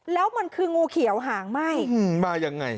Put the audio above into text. แล้วมันคืองูเขียวหางไหม้มายังไง